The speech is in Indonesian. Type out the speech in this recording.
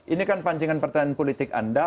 ini kan pancingan pertanyaan politik anda